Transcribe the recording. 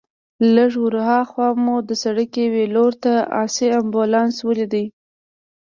لږ ورهاخوا مو د سړک یوې لور ته آسي امبولانس ولید.